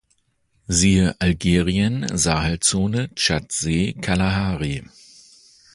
Siehe Algerien, Sahelzone, Tschadsee, Kalahari